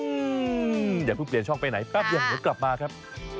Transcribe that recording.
เดี๋ยวพูดเปลี่ยนช่องไปไหนแป๊บอย่างนี้กลับมาครับ